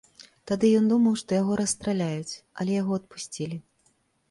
Тады ён думаў, што яго расстраляюць, але яго адпусцілі.